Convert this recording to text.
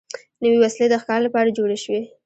نوې وسلې د ښکار لپاره جوړې شوې.